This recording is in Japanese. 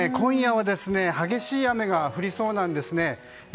今夜は激しい雨が降りそうなんです。